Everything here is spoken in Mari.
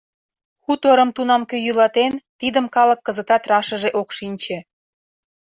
Хуторым тунам кӧ йӱлатен, тидым калык кызытат рашыже ок шинче.